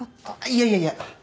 いやいやいや。